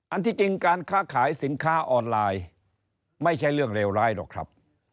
ที่จริงการค้าขายสินค้าออนไลน์ไม่ใช่เรื่องเลวร้ายหรอกครับ